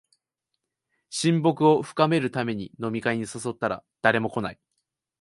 親睦を深めるために飲み会に誘ったら誰も来ない